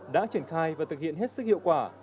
đã triển khai và thực hiện hết sức hiệu quả